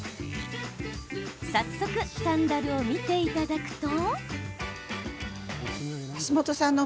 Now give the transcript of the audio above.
早速、サンダルを見ていただくと。